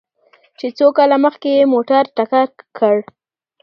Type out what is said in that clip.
چې څو کاله مخکې يې موټر ټکر کړ؟